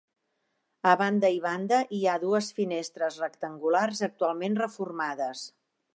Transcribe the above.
A banda i banda hi ha dues finestres rectangulars actualment reformades.